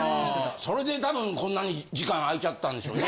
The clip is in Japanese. それで多分こんなに時間空いちゃったんでしょうね。